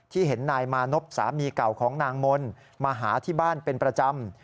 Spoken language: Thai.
เห็นนายมานพสามีเก่าของนางมนต์มาหาที่บ้านเป็นประจำ